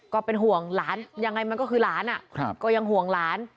ก็เป็นห่วงหลานยังไงมันก็คือหลานก็ยังห่วงหลาน